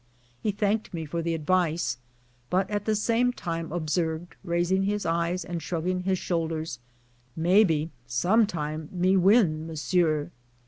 He thanked me for the advice, but at the same time ob served, raising his eyes and shrugging his shoulders, "May be some time me win, messieur."